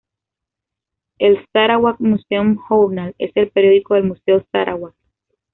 El "Sarawak Museum Journal" es el periódico del Museo Sarawak.